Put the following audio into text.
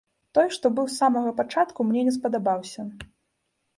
Той, што быў з самага пачатку, мне не спадабаўся.